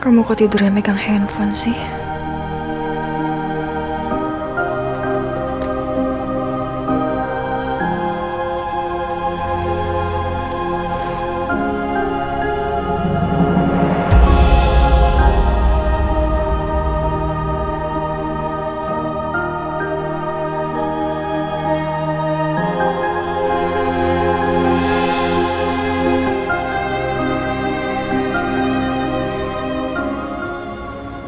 kamu kok tidurnya megang handphone sih